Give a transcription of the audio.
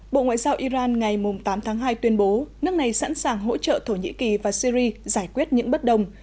bộ ngoại giao iran ngày tám tháng hai tuyên bố nước này sẵn sàng hỗ trợ thổ nhĩ kỳ và syri giải quyết những bất đồng